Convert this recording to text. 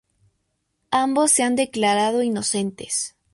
Ambos se han declarado inocentes.